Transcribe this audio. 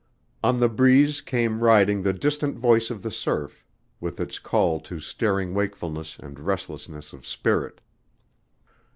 On the breeze came riding the distant voice of the surf with its call to staring wakefulness and restlessness of spirit.